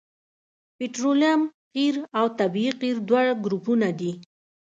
پطرولیم قیر او طبیعي قیر دوه ګروپونه دي